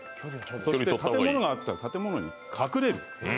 そして建物があったら建物に隠れる。